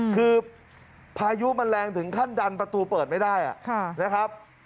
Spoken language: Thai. คือพายุมันแรงถึงขั้นดันประตูเปิดไม่ได้นะครับ